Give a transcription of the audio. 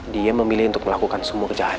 dia memilih untuk melakukan semua kejadian ini